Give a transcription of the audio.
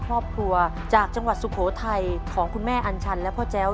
ครอบครัวจากจังหวัดสุโขทัยของคุณแม่อัญชันและพ่อแจ้ว